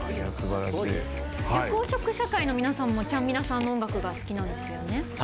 緑黄色社会の皆さんもちゃんみなさんの音楽が好きなんですよね。